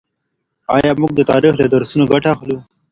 آيا موږ د تاريخ له درسونو ګټه اخلو؟